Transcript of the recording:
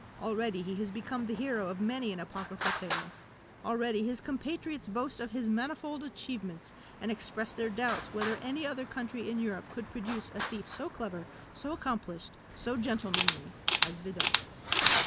Already he has become the hero of many an apocryphal tale already his compatriots boast of his manifold achievements, and express their doubts whether any other country in Europe could produce a thief so clever, so accomplished, so gentlemanly, as Vidocq.